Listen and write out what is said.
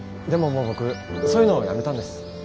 でももう僕そういうのやめたんです。